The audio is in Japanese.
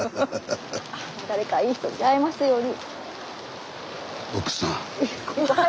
ああ誰かいい人に出会えますように。